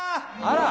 あら。